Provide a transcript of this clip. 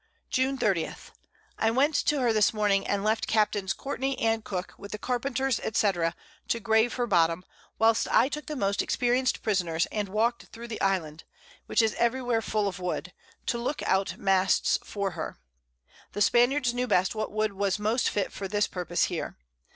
June 30. I went to her this Morning, and left Capts. Courtney and Cooke, with the Carpenters, &c. to grave her Bottom, whilst I took the most experienced Prisoners, and walked through the Island (which is every where full of Wood) to look out Masts for her. The Spaniards knew best what Wood was most fit for this Purpose here.